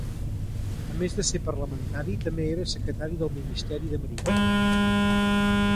A més de ser parlamentari, també era secretari del Ministeri de Marina.